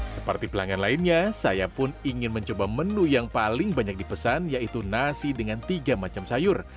seperti pelanggan lainnya saya pun ingin mencoba menu yang paling banyak dipesan yaitu nasi dengan tiga macam sayur